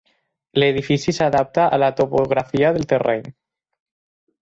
L'edifici s'adapta a la topografia del terreny.